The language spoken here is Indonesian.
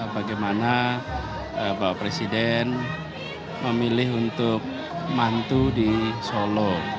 bagaimana bapak presiden memilih untuk mantu di solo